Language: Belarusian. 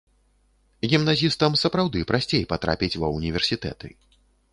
Гімназістам сапраўды прасцей патрапіць ва ўніверсітэты.